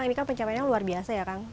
ini kan pencapaiannya luar biasa ya kang